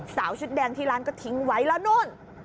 สาวชุดแดงที่ร้านก็ทิ้งไว้แล้วนู่น